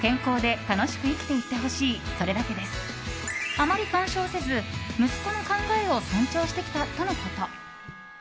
あまり干渉せず、息子の考えを尊重してきたとのこと。